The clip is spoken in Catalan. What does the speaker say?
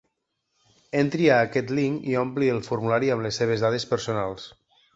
Entri a aquest link i ompli el formulari amb les seves dades personals.